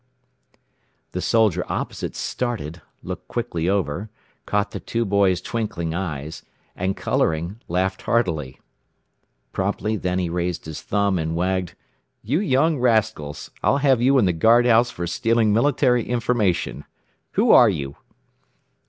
The soldier opposite started, looked quickly over, caught the two boys' twinkling eyes, and coloring, laughed heartily. Promptly then he raised his thumb, and wagged, "You young rascals! I'll have you in the guard house for stealing military information. Who are you?"